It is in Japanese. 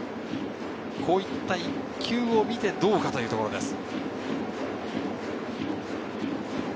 こういった一球を見てどうかというところです。